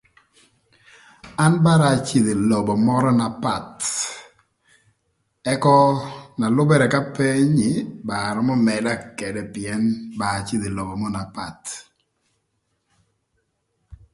An bara acïdhö ï lobo mörö na path ëka na lübërë k'apeny ni arömö mëda këdë pïën ba acïdhï ï lobo na path